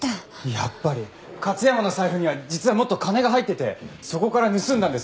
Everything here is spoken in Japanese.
やっぱり勝山の財布には実はもっと金が入っててそこから盗んだんですよ林田は。